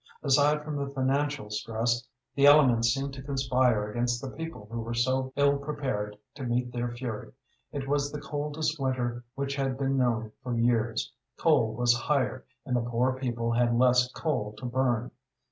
Aside from the financial stress, the elements seemed to conspire against the people who were so ill prepared to meet their fury. It was the coldest winter which had been known for years; coal was higher, and the poor people had less coal to burn.